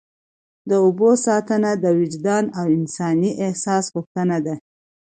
د اوبو ساتنه د وجدان او انساني احساس غوښتنه ده.